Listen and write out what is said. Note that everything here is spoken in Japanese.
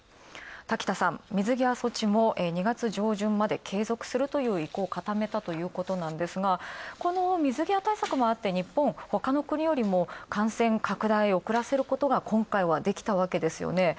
滝田さん、水際対策も２月上旬まで継続するという意向を固めたということなんですが、この水際対策もあって日本、他の国よりも感染拡大を遅らせることが今回はできたわけですよね。